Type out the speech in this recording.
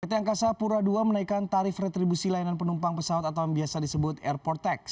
pt angkasa pura ii menaikkan tarif retribusi layanan penumpang pesawat atau yang biasa disebut airport tax